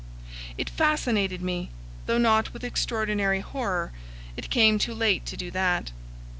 It fascinated me, though not with extraordinary horror; it came too late to do that.